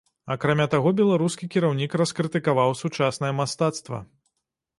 Акрамя таго беларускі кіраўнік раскрытыкаваў сучаснае мастацтва.